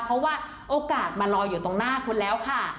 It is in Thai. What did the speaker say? เพราะว่าโอกาสมารออยู่ตรงหน้าคุณแล้วค่ะ